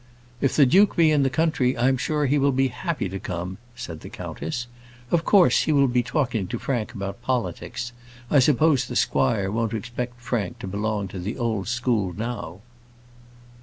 "If the duke be in the country, I am sure he will be happy to come," said the countess. "Of course, he will be talking to Frank about politics. I suppose the squire won't expect Frank to belong to the old school now."